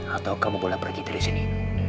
atau kamu boleh pergi dari sini